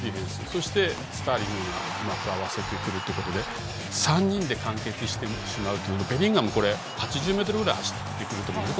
そしてスターリングがうまく合わせたということで３人で完結してしまうというベリンガムは出したあとも８０ｍぐらい走っていたと思います。